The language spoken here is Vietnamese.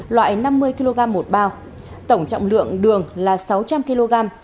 loại năm mươi kg một bao tổng trọng lượng đường là sáu trăm linh kg